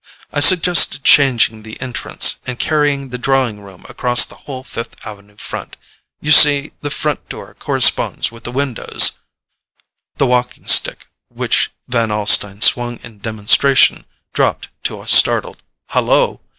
I suggested changing the entrance, and carrying the drawing room across the whole Fifth Avenue front; you see the front door corresponds with the windows——" The walking stick which Van Alstyne swung in demonstration dropped to a startled "Hallo!"